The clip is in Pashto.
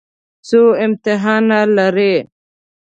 څو امتحانه لرئ؟